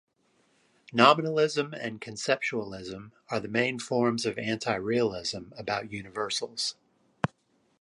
Nominalism and conceptualism are the main forms of anti-realism about universals.